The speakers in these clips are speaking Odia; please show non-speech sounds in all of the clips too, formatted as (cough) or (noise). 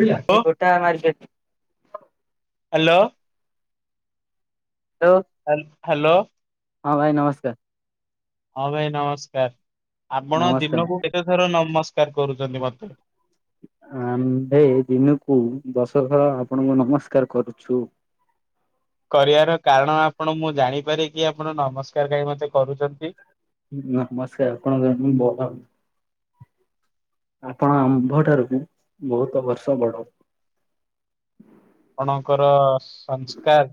ହ୍ୟାଲୋ ଗୋଟା ମାର୍କେଟ। ହ୍ୟାଲୋ ହ୍ୟାଲୋ ହ୍ୟାଲୋ ହଁ ଭାଇ ନମସ୍କାର। ହଁ ଭାଇ ନମସ୍କାର ଆପଣ ନମସ୍କାର ଦିନକୁ କେତେଥର ନମସ୍କାର କରୁଛନ୍ତି ମତେ। ଆମ୍ଭେ ଦିନକୁ ଦଶ ଥର ଆପଣଙ୍କୁ ନମସ୍କାର କରୁଛୁ। କରିବାର କାରଣ ଆପଣ ମୁଁ ଜାଣିପାର କି ଆପଣ ନମସ୍କାର କାହିଁ ମତେ କରୁଛନ୍ତି। ନମସ୍କାର (unintelligible) ଆପଣ ଆମ୍ଭ ଠାରୁ ବହୁତ ବର୍ଷ ବଡ। ଆପଣଙ୍କର ସଂସ୍କାର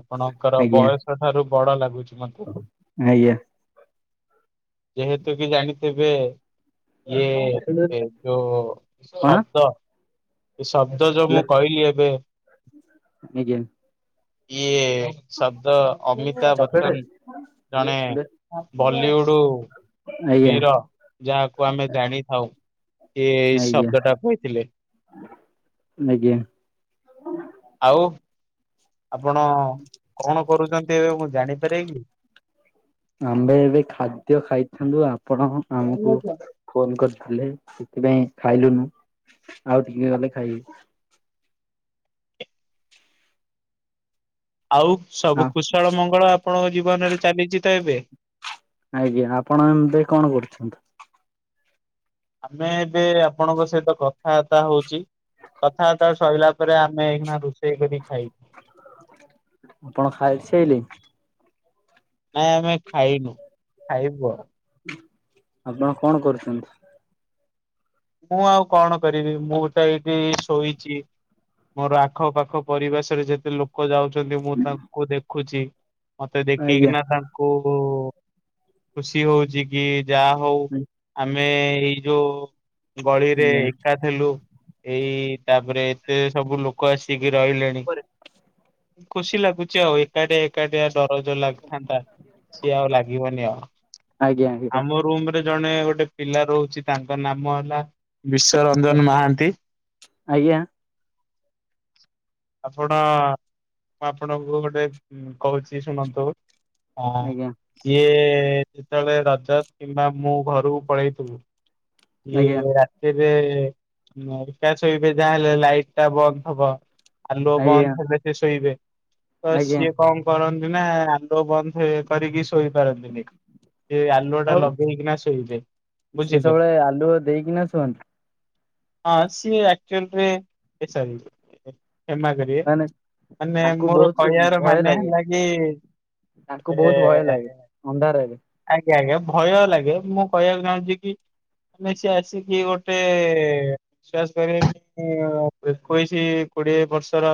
ଆପଣଙ୍କର ଆଜ୍ଞା ବୟସ ଠାରୁ ବଡ ଲାଗୁଛି ମ। ଆଜ୍ଞା ଯେହେତୁ କି ଜାଣିଥିବେ ଏ ଯୋ କଣ ଶବ୍ଦ। ଏ ଶବ୍ଦ ଯୋଉ ଆଜ୍ଞା ମୁଁ କହିଲି ଏବେ ଆଜ୍ଞା ଇଏ ଶବ୍ଦ ଅମିତାଭ ବଚ୍ଚନ ଜଣେ ବଲିଉଡ ବୀର ଯାହାକୁ ଆମେ ଜାଣିଥାଉ ସେ ଏଇ ଆଜ୍ଞା ଶବ୍ଦ ଟା କହିଥିଲେ। ଆଜ୍ଞା ଆଉ ଆପଣ କଣ କରୁଛନ୍ତି ଏବେ ମୁଁ ଜାଣିପାରେ କି? ଆମ୍ଭେ ଏବେ ଖାଦ୍ୟ ଖାଇଥାନ୍ତୁ ଆପଣ ଆମକୁ ଫୋନ କରି ଥିଲେ ସେଥିପାଇଁ ଖାଇଲୁନୁ ଆଉ ଟିକେ ଗଲେ ଖାଇ ଆଉ ସବୁ ହଁ କୁଶଳ ମଙ୍ଗଳ ଆପଣଙ୍କ ଜୀବନରେ ଚାଲିଛି ତ ଏବେ। ଆଜ୍ଞା ଆପଣ ଏବେ କଣ କରୁଛନ୍ତି? ଆମେ ଏବେ ଆପଣଙ୍କ ସହିତ କଥାବାର୍ତ୍ତା ହଉଛି। କଥା ବାର୍ତ୍ତା ସଇଲା ପରେ ଆମେ ଏଇନା ରୋଷେଇ କରି ଖାଇବୁ। ଆପଣ ଖାଇ ସାଇଲେଣି। ନାଇଁ ଆମେ ଖାଇନୁ ଖାଇବୁ ଆଉ। ଆପଣ କଣ କରୁଛନ୍ତି? ମୁଁ ଆଉ କଣ କରିବି ମୁଁତ ଏଇଠି ଶୋଇଚି। ମୋର ଆଖ ପାଖ ପରିବେଶରେ ଯେତେ ଲୋକ ଯାଉଚନ୍ତି ମୁଁ ତାଙ୍କୁ ଦେଖୁଚି। ମତେ ଆଜ୍ଞା। ଦେଖିକିନା ତାଙ୍କୁ ଖୁସି ହଉଚିକି ଯାହା ହଉ ଆମେ ଏଇ ଯୋଉ ଗଳିରେ ଆଜ୍ଞା ଏକା ଥିଲୁ ଏଇ ତାପରେ ଏତେ ସବୁ ଲୋ ଲୋକ ଆସିକି ରହିଲେଣି ଖୁସି ଲାଗୁଚି ଆଉ ଏକାଟିଆ ଏକାଟିଆ ଡର ଯୋଉ ଲାଗିଥାନ୍ତା ସିଏ ଆଉ ଲାଗିବନି ଆଉ ଆଜ୍ଞା ଆଜ୍ଞା ଆମର ରୁମ୍ ରେ ଜଣେ ଗୋଟେ ପିଲା ରହୁଚି ତାଙ୍କ ନାମ ହେଲା ବିଶ୍ଵରଞ୍ଜନ ମହାନ୍ତି। ଆଜ୍ଞା ଆପଣ ମୁଁ ଆପଣଙ୍କୁ ଗୋଟେ କହୁଚି ଶୁଣନ୍ତୁ? ହଁ ଆଜ୍ଞା ସିଏ ଯେତେବେଳେ ରଜ କିମ୍ବା ମୁଁ ଘରକୁ ପଳେଇଥିବୁ ଆଜ୍ଞା ଆଜ୍ଞା ଇଏ ରା ତିରେ ଉଁ ଏକା ଶୋଇବେ ଯାହା ହେଲେ ଲାଇଟିଟା ବନ୍ଦ୍ ହବ ଆଲୁଅ ବନ୍ଦ୍ ହେଲେ ସିଏ ଶୋଇବେ ଆଜ୍ଞା ତସିଏ କ କରନ୍ତିନା ଆଲୁଅ ବନ୍ଦ୍ ଥିବେ କରିକି ଶୋଇ ପାରନ୍ତିନି ସିଏ ଆ ଆଲୁଅଟା ଆଉ ଲଗେଇ କିନା ଶୋଇବେ ବୁଝିଲେ। ସେ ସବୁବେଳେ ଆଲୁଅ ଦେଇକିନା ଶୁଅନ୍ତି। ହଁ ସିଏ ଆକ୍ଚୁଆଲିରେ ହେ ସରି କ୍ଷମା କରିବେ ମାନେ ମାନେ ତାଙ୍କୁ ମୋର ବହୁତ କହିବାର ଭୟ ମାନେ ଲାଗେ ହେଲା କି ତାଙ୍କୁ ଏ ବହୁତ୍ ଭୟ ଲାଗେ ଅନ୍ଧାରେବି ଆଜ୍ଞା ଆଜ୍ଞା ଭୟ ଲାଗେ ମୁଁ କହିବାକୁ ଚାହୁଁଚିକି ମାନେ ସିଏ ଆସି କିଏ ଗୋଟେ ବିଶ୍ୱାସ କରିବେନି ଏକୋଇଶି କୋଡିଏ ବର୍ଷର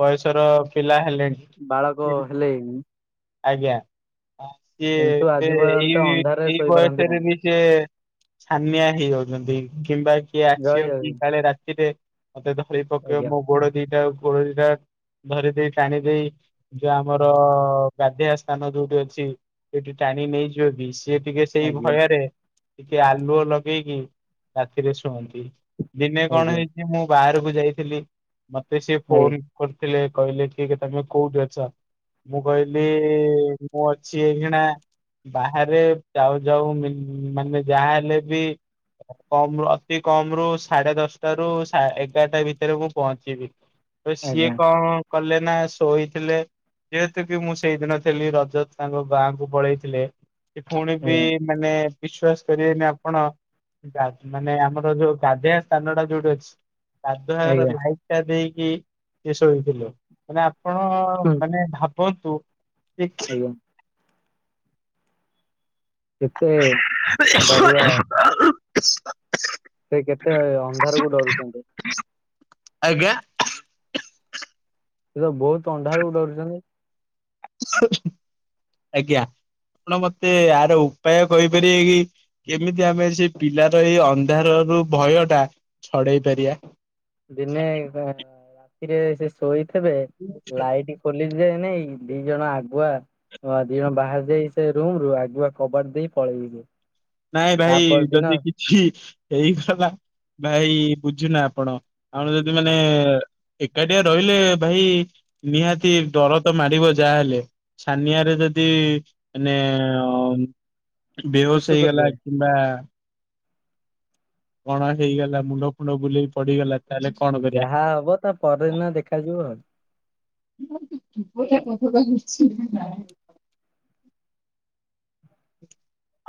ବୟସର ପିଲା ହେଲେଣି ବାଳକ ହେଲେଣି ଆଜ୍ଞା ସିଏ କିନ୍ତୁ ଆଜି ପର୍ଯ୍ୟନ୍ତ ଏଇ ଅନ୍ଧାରରେ ଏଇ ଶୋଇପାରନ୍ତି ନାହିଁ ବୟସରେବି ସିଏ ଛାନିଆ ହେଇ ଯାଉଚନ୍ତି କିମ୍ବା କିଏ ଜୟ ଆସିବକି ଜଗନ୍ନାଥ କାଳେ ରାତିରେ ମତେ ଧରି ପକେଇବ ଆଜ୍ଞା ମୋଗୋଡ଼ ଦିଟା ଉର୍ ଦିଟା ଧରି ଦେଇ ଟାଣି ଦେଇ ଯଉ ଆମର ଗାଧେଇବା ସ୍ଥାନ ଯୋଉଠି ଅଛି ସେଠି ଟାଣି ନେଇଯିବିସ୍ ଜିଏ ଟିକେ ସେଇ ଆଜ୍ଞା ଭୟରେ ଟିକେ ଆଲୁଅ ଲଗେଇକି ରାତିରେ ଶୁଅନ୍ତି। ଦିନେ କଣ ଆଜ୍ଞା ହେଇଚି ମୁଁ ବାହାରକୁ ଯାଇଥିଲି ମତେ ସିଏ ଫୋନ୍ କରିଥିଲେ କହିଲେକି କିତମେ କୋଉଠି ଅଛ। ମୁଁ କହିଲି ମୁଁ ଅଛି ଏଇକ୍ଷୀଣା ବାହାରେ ଯାଉ ଯାଉ ମି ମାନେ ଯାହା ହେଲେବି କମରୁ ଅତି କମରୁ ସାଢେ ଦଶଟାରୁ ସା ଏଗାରଟା ଭିତରେ ମୁଁ ପହଞ୍ଚିବି। ତ ଆଜ୍ଞା ସିଏ ଆଜ୍ଞା କଣ କଲେନା ଶୋଇଥିଲେ। ଯେହେତୁକି ମୁଁସେଇ ଦିନ ଥିଲି ରଜତ୍ ତାଙ୍କ ଗାଁକୁ ପଳେଇଥିଲେ। କି ଫୁଣିବି ଆଜ୍ଞା ମାନେ ବିଶ୍ଵାସ କରିବେନି ଆପଣ ଗା ମାନେ ଆମର ଯୋଉ ଗାଧେଇବା ସ୍ଥାନଟା ଯୋଉଠି ଅଛି ଗାଧୁଆ ଘର ଆଜ୍ଞା ଲାଇଟ୍ ଟା ଦେଇକି ସେଶୋଇଥିଲେ ମାନେ ଆପଣ ମାନେ ଭାବନ୍ତୁ ଦେଖି ଆଜ୍ଞା କେତେ ଡରୁଆ ସେ କେତେ ଅନ୍ଧାରକୁ ଡରୁଚନ୍ତି। ଆଜ୍ଞା। ସେତ ବହୁତ୍ ଅନ୍ଧାରକୁ ଡରୁଚନ୍ତି। ଆଜ୍ଞା ଆପଣ ମତେ ଆର ଉପାୟ କହିପାରିବେକି? କେମିତି ଆମେ ସେପିଲାର ଏଇ ଅନ୍ଧାରରୁ ଭୟଟା ଛଡ଼େଇ ପାରିବା। ଦିନେ ରାତିରେ ସେ ଶୋଇଥିବେ ଲାଇଟ କ ଲିଜା ଯେ ନାଇଁ କି ଦି ଜଣ ଆଗୁଆ ହଁ ଦି ଜଣ ବାହାରି ଯାଇ ସେ ରୁମ ରୁ ଆଗୁଆ କବାଟ ଦେଇ ପଳେଇଲେ। ନାଇଁ ଭାଇ ଯଦି କିଛି ହେଇଗଲା ଭାଇ ବୁଝୁନା ଆପଣ। ଆମର ଯଦି ମାନେ ଏକାଟିଆ ରହିଲେ ଭାଇ ନିହାତି ଡର ତ ମାାଡିବ ଯାହେଲେ। ଛାନିଆ ରେ ଯଦି ମାନେ ଅ ବେହୋସ୍ ଶୁଶୁ ହେଇଗଲା କରିଦେବେ କିମ୍ବା କଣ ହେଇଗଲା ମୁଣ୍ଡ ଫୁଣ୍ଡ ବୁଲେଇ ପଡିଗଲା। ତାହେଲେ କଣ କରିବା? ଯାହା ହବ ତା ପରଦିନ ଦେଖାଯିବ ଆଉ। ୁପଟା କତକା ବୁଝଛି। (unintelligible)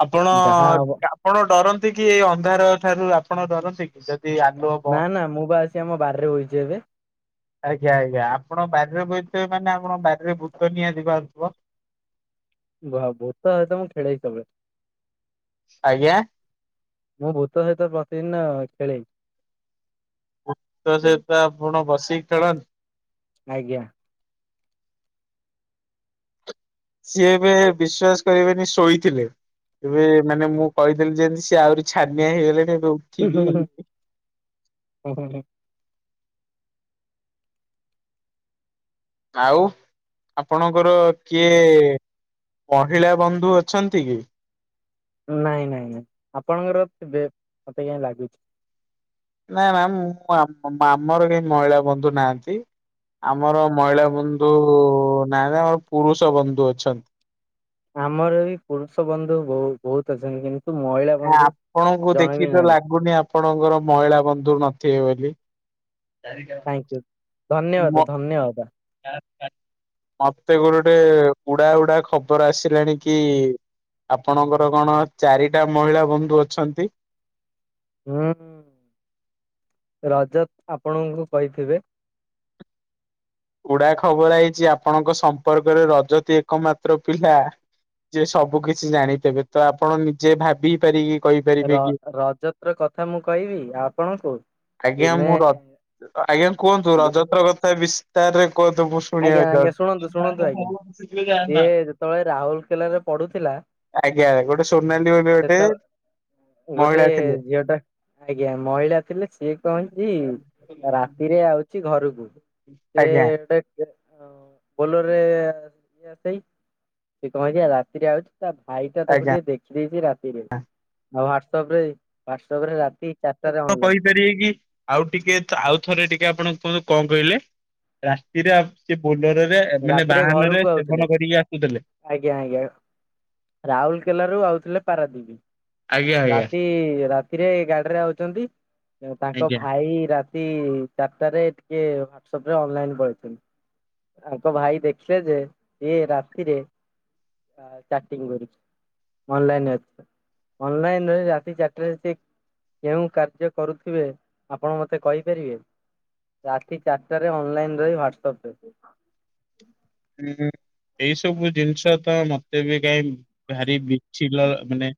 ଆପଣ ଆଉ ଯାହା ହବ ଆପଣ ଡରନ୍ତି କି ଏ ଅନ୍ଧାର ଠାରୁ ଆପଣ ଡରନ୍ତି କି ଯଦି ଆଲୁଅ ବ ନା ନା ମୁଁ ବା ଆସି ଆମ ବାର୍ରେ ବଇଚି ଏବେ। ଆଜ୍ଞା ଆଜ୍ଞା ଆପଣ ବାର୍ରେ ବଇଥିବେ ମାନେ ଆପଣ ବାର୍ରେ ଭୂତ ନିଆତି ବାହାରୁଥିବ। ବା ଭୂତ ହେତ ମୁଁ ଖେଳେଇ ସବଳେ। ଆଜ୍ଞା। ମୁଁ ଭୂତ ସହିତ ପ୍ରତିଦିନ ଖେଳେ। ଭୂତ ସହିତ ଆପଣ ବସିକି ଖେଳନ୍ତି। ଆଜ୍ଞା। ସିଏ ଏବେ ବିଶ୍ୱାସ୍ କରିବେନି ଶୋଇଥିଲେ। ଏବେ ମାନେ ମୁଁ କହିଦେଲିି ଯେମିତି ସିଏ ଆହୁରି ଛାନିଆ ହେଇଗଲେଣି। ହୁଁ ଉଠିକି ହୁଁ ହୁଁ ହୁଁ ହୁଁ ହୁଁ। ଆଉ ଆପଣଙ୍କର କିଏ ମହିଳା ବନ୍ଦୁ ଅଛନ୍ତି କି। ନାଇଁ ନାଇଁ ନାଇଁ ଆପଣଙ୍କର ଥିବେ ମତେ କାହିଁ ଲାଗୁଚି। ନାଇଁ ନା ମୁଁ ଆପ୍ ଆମର କେହି ମହିଳା ବନ୍ଧୁ ନାହାନ୍ତି। ଆମର ମହିଳା ବନ୍ଧୁ ନାଆନ୍ତି ଆମର ପୁରୁଷ ବନ୍ଧୁ ଅଛନ୍ତି। ଆମର ବି ପୁରୁଷ ବନ୍ଧୁ ବୋହୁ ବହୁତ ଅଛନ୍ତି କି ଆପଣଙ୍କୁ ଦେଖି ତ ନାହାନ୍ତି ଲାଗୁନି ଆପଣଙ୍କର ମହିଳା ବନ୍ଧୁ ନଥିବେ ବୋଲି। ଥାଙ୍କ୍ ୟୁ ମ ଧନ୍ୟବାଦ ଧନ୍ୟବାଦ। ମତେ କୋଉଠୁ ଗୋଟେ ଉଡା ଉଡା ଖବର ଆସିଲାଣି କି ଆପଣଙ୍କର କଣ ଚାରିଟା ମହିଳା ବନ୍ଦୁ ଅଛନ୍ତି। ହୁଁ ରଜତ୍ ଆପଣଙ୍କୁ କହିଥିବେ। ଉଡା ଖବର ଆଇଛି ଆପଣଙ୍କ ସମ୍ପର୍କରେ ରଜତି ଏକମାତ୍ର ପିଲା। ଯେ ସବୁ କିଛି ଜାଣିଥିବେ ତ ଆପଣ ନିଜେ ଭାବି ପାରିକି କହିପାରିବେ ର କି ରଜତ୍ ର କଥା ମୁଁ କହିବି ଆପଣଙ୍କୁ। ଆଜ୍ଞା ଦିନେ ମୁଁ ର ଆଜ୍ଞା କୁହନ୍ତୁ ରଜତ୍ ର କଥା ବିସ୍ତାର୍ରେ କୁହନ୍ତୁ ମୁଁ ଆଜ୍ଞା ଶୁଣିବାକୁ ଆଜ୍ଞା ଚାହୁଁଛି। ଶୁଣନ୍ତୁ ଶୁଣନ୍ତୁ ଆଜ୍ଞା ସିଏ ଯେତେବେଳେ ରାହୁଲ କେଲାରେ ପଢୁଥିଲା। ଆଜ୍ଞା ଗୋଟେ ଶୋନାଲି ବୋଲି ସେତ ଗୋଟେ। ଗୋଟେ ମହିଳା ଥିଲେ। ଝିଅ ଟା ଆଜ୍ଞା ମହିଳା ଥିଲେ ସିଏ କଣ ହେଇଛି ରାତିରେ ଆଉଚି ଘରକୁ। ସେ ଆଜ୍ଞା ଏଇଟି (inaudible) ବୋଲରରେ ଇଏ ଆସଇ ଭିକ ମାଗିଆ ରାତିରେ ଆଉଛି। ତା ଭାଇ ଟା ତାକୁ ଆଜ୍ଞା। ଟିକେ ଦେଖିଦେଇଛି ରାତିରେ ଆଉ ହ୍ଵାଟ୍ସପ୍ ରେ ହ୍ଵାଟ୍ସପ୍ ରେ ରାତି ଚାରିଟାରେ କହି ଅନଲାଇନ ପାରିବେକି। ଆଉ ଟିକେ ତ ଆଉ ଥରେ ଟିକେ ଆପଣ କୁହନ୍ତୁ କଣ କହିଲେ ରାତିରେ ଆସ୍ ସେ ବୋଲରରେ ମାନେ ରାତିରେ ବାହାନ ରେ ଘରକୁ ଆଉଥିଲେ ସେବନ କରିକି ଆସୁଥିଲେ। ଆଜ୍ଞା ଆଜ୍ଞା ରାହୁଲ୍ କେଲାରୁ ଆଉଥିଲେ ପାରାଦୀପ। ଆଜ୍ଞା ଆଜ୍ଞା ରାତି ରାତିରେ ଗାଡ୍ରେ ଆଉଚନ୍ତି ତାଙ୍କ ଆଜ୍ଞା ଭାଇ ରା ଚାର୍ଟାରେ ଟିକେ ହ୍ଵାଟ୍ସପ୍ ରେ ଅନଲାଇନ୍ ପଳେଇଥିଲେ। ତାଙ୍କ ଭାଇ ଦେଖିଲେ ଯେ ଇଏ ରାତିରେ ଚାଟିଂ କରୁଚି। ଅନ୍ଲାଇନ୍ ଅଛି ଅନ୍ଲାଇନ୍ ରାତି ଚାର୍ଟାରେ ସେ କେଉଁ କାର୍ଯ୍ୟ କରୁଥିବେ ଆପଣ ମତେ କହିପାରିବେ। ରାତି ଚାର୍ଟରେ ଅନ୍ଲାଇନ୍ ରହି ହ୍ଵାଟ୍ସଆପ୍ ରେ ଥିଲେ। ହୁଁ ଏଇ ସବୁ ଜିନ୍ଷ ତ ମତେ ବି କାଇଁ ଭାରି ବିଛି ମାନେ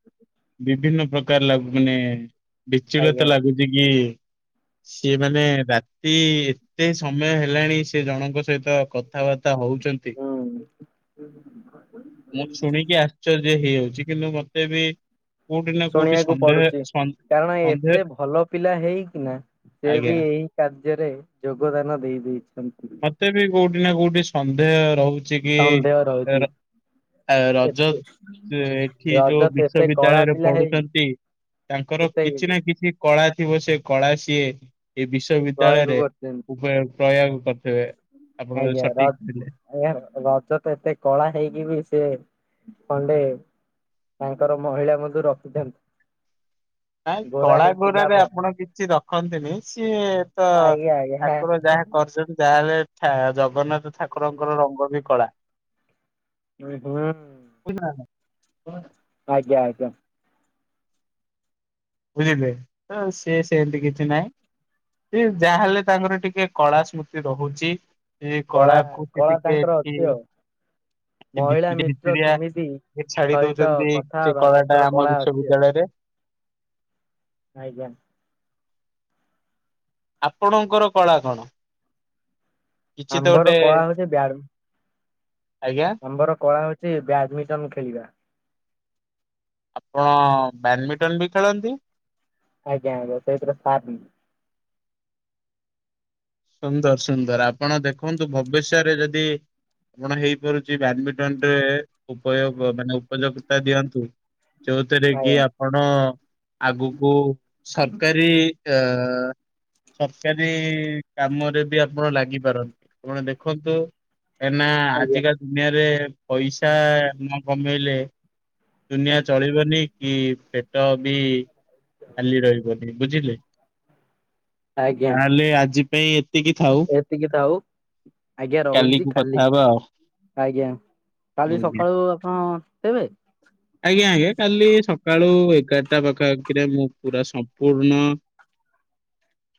ବିଭିନ୍ନ ପ୍ରକାର ଲ ମାନେ ଆଜ୍ଞା ବିଚଳତା ଲାଗୁଛି କି ସିଏ ମାନେ ରା କି ଏତେ ସମୟ ହେଲାଣି ସେ ଜଣଙ୍କ ସହିତ କଥାବାର୍ତ୍ତା ହଉ ଛନ୍ତି ହୁଁ ମୁଁ ଶୁଣିକି ଆଶ୍ଚର୍ଯ୍ୟ।। ହେଇଯାଉଛି କିନ୍ତୁ ମତେ ବି କୋଉଠି ନା କୋଉଠି ଶୁଣିବାକୁ ସନ୍ଦେହ ପଡୁଛି ସନ୍ କାରଣ ସନ୍ଦେହ ଏତେ ଭଲ ପିଲା ହେଇକି ନା ସେ ଆଜ୍ଞା ବି ଏହି କାର୍ଯ୍ୟରେ ଯୋଗଦାନ ଦେଇ ଦେଇଛନ୍ତି। ମତେ ବି କୋଉଠି ନା କୋଉଠି ସନ୍ଦେହ ରହୁଛି କି ସନ୍ଦେହ ରହୁଛି ଆ ରଜ ଏତେ ଏଠି ଯୋଉ ରଜତ ଏତେ କଳା ବିଶ୍ୱବିଦ୍ୟାଳୟରେ ପିଲା ହେଇ ପଢୁଛନ୍ତି ତାଙ୍କର ଏତେ କିଛି ନା କିଛି କଳା ଥିବ ସେ କଳା ସିଏ ଏ ପ୍ରୟୋଗ ବିଶ୍ୱବିଦ୍ୟାଳୟରେ କରୁଛନ୍ତି ପ୍ରୟୋଗ କରି ସେ ଆପଣ ଆଜ୍ଞା ର ସଠିକ ଥିଲେ। ଆଜ୍ଞା ରଜତ ଏତେ କଳା ହେଇକି ବି ସେ ଖଣ୍ଡେ ତାଙ୍କର ମହିଳା ମଧ୍ୟ ରଖିଚନ୍ତି। ନାଇଁ କଳା ଘରାରେ ଲାଭ ଆପଣ କିଛି ରଖନ୍ତିନି ସିଏ ତ ଆଜ୍ଞା ଆଜ୍ଞା ଠାକୁର ଯାହା କରିଛନ୍ତି ଯହାହେଲେ ଜଗନ୍ନାଥ ଠାକୁରଙ୍କର ରଙ୍ଗ ବି କଳା। ଉ ହୁଁ। ବୁଝିଲା ହ ଆଜ୍ଞା, ଆଜ୍ଞା। ବୁଝିଲେ ତ ସିଏ ସେମିତି କିଛି ନାହିଁ। ସେ ଯାହାହେଲେ ତାଙ୍କର ଟିକେ କଳା ସ୍ମୃତି ରହୁଛି। ସେ କଳା କଳାକୁ ସେ କଳା ଟିକେ ତାଙ୍କର ସେ ଅଛି ଆଉ ମହିଳା ଭିତ ମିତ୍ର ଭିତରିଆ କେମିତି ଛାଡି ସହିତ ଦଉଛନ୍ତି କଥା ସେ ହବା କଳା ଟା ତାଙ୍କର ଆମ ଅଛି ଆଉ। ବିଶ୍ଵବିଦ୍ୟାଳୟରେ ଆଜ୍ଞା। ଆପଣଙ୍କର କଳା କଣ? କିଛି ତ ଗୋଟେ ଆମ୍ଭର କଳା ହଉଛି ଆଜ୍ଞା ଆମ୍ବର କଳା ହଉଛି ବ୍ୟାଡମିଣ୍ଟନ ଖେଳିବା। ଆପଣ ବ୍ୟାଡ଼ମିଣ୍ଟନ ବି ଖେଳନ୍ତି। ଆଜ୍ଞା ଆଜ୍ଞା ସେଇଥିରେ ସାରିଲି। ସୁନ୍ଦର ସୁନ୍ଦର ଆପଣ ଦେଖନ୍ତୁ ଭବିଷ୍ୟରେ ଯଦି ଆପଣ ହେଇପାରୁଛି ବ୍ୟାଡମିଣ୍ଟନ ରେ ଉପଯୋଗ ମାନେ ଉପଯୋଗତା ଦିଅନ୍ତୁ। ଯୋଉଥିରେ କି ଆଜ୍ଞା ଆପଣ ଆଗକୁ ସରକାରୀ ଅ ସରକାରୀ କାମରେ ବି ଆପଣ ଲାଗିପାରନ୍ତି କଣ ଦେଖନ୍ତୁ ଏନା ଆଜ୍ଞା ଆଜିକାଲି ଦୁନିଆରେ ପଇସା ନ କମେଇଲେ ଦୁନିଆ ଚଳିବନି କି ପେଟ ବି କାଲି ରହିବନି ବୁଝିଲେ ଆଜ୍ଞା ତାହେଲେ ଆଜି ପାଇଁ ଏତିକି ଥାଉ ଏତିକି ଥାଉ ଆଜ୍ଞା ରହୁଛି କାଲିକୁ କାଲି କଥା ହବା ଆଉ ଆଜ୍ଞା କାଲି ଆଜ୍ଞା। ସକାଳୁ ଆପଣ ଥିବେ? ଆଜ୍ଞା ଆଜ୍ଞା କାଲି ସକାଳୁ ଏଗାରଟା ପାଖାପାଖିରେ ମୁଁ ପୁରା ସମ୍ପୂର୍ଣ୍ଣ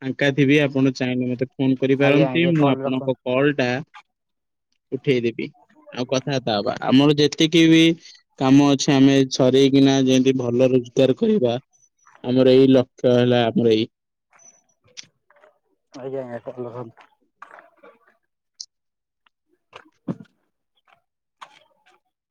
ଫାଙ୍କା ଥିବି ଆପଣ ଚାହିଁଲେ ମତେ ଫୋନ ଆଜ୍ଞା କରିପାରନ୍ତି ଆଜ୍ଞା ମୁଁ କଲ ଆପଣଙ୍କ ରଖନ୍ତୁ କଲ ଟା ଉଠେଇଦବି ଆଉ କଥାବାର୍ତ୍ତା ହବା। ଆମର ଯେତିକି ବି କାମ ଅ ଅଛି ଆମେ ସରେଇକିନା ଯେମତି ଭଲ ରୋଜଗାର କରିବା। ଆମର ଏଇ ଲକ୍ଷ୍ୟ ହେଲା ଆମର ଏଇ ଆଜ୍ଞା ଆଜ୍ଞା ଭଲ କଥା।